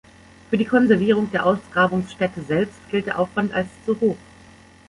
Für die Konservierung der Ausgrabungsstätte selbst gilt der Aufwand als zu hoch.